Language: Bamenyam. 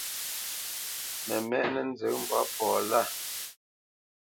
Mə mɛ́ʼnə̄ nzə mbwǎ pɔ lâ.